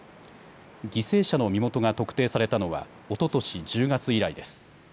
犠牲者の身元が特定されたのはおととし１０月以来です。